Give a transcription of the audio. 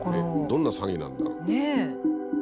どんな詐欺なんだろう。